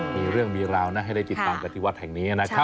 มีเรื่องมีราวนะให้ได้ติดตามกันที่วัดแห่งนี้นะครับ